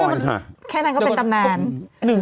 มีเดียวกับแค่นั้นก็เป็นตำนาน